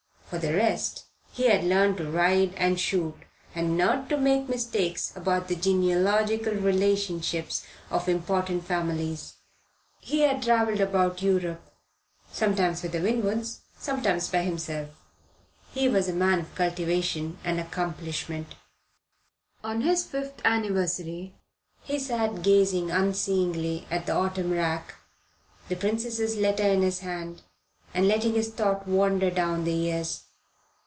For the rest, he had learned to ride and shoot, and not to make mistakes about the genealogical relationships of important families. He had travelled about Europe, sometimes with the Winwoods, sometimes by himself. He was a young man of cultivation and accomplishment. On this fifth anniversary he sat gazing unseeingly at the autumn rack, the Princess's letter in his hand, and letting his thoughts wander down the years.